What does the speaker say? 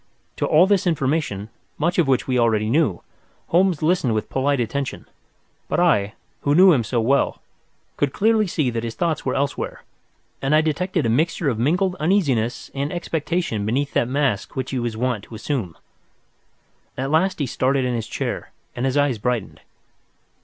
To all this information, much of which we already knew, Holmes listened with polite attention, but I, who knew him so well, could clearly see that his thoughts were elsewhere, and I detected a mixture of mingled uneasiness and expectation beneath that mask which he was wont to assume. At last he started in his chair, and his eyes brightened.